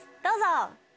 どうぞ！